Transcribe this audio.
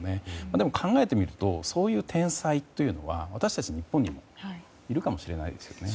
でも、考えてみるとそういう天才というのは私たち日本にもいるかもしれないですよね。